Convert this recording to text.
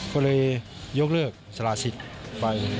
ก็เลยยกเลิกสละสิทธิ์ไป